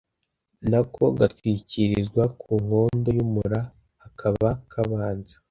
nako gatwikirizwa ku nkondo y'umura kakaba kabanza